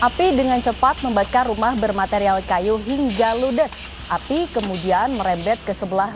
api dengan cepat membakar rumah bermaterial kayu hingga ludes api kemudian merembet ke sebelah